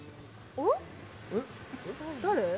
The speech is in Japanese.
誰？